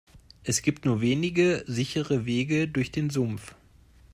Es gibt nur wenige sichere Wege durch den Sumpf.